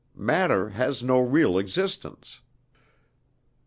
Matter has no real existence."